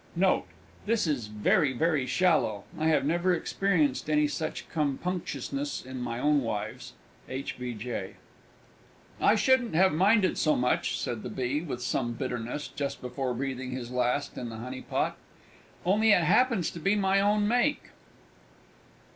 Note. This is very very shallow. I have never experienced any such compunctiousness with my own wives. H. B. J. "I shouldn't have minded so much," said the Bee, with some bitterness, just before breathing his last in the honey pot, "only it happens to be my own make!"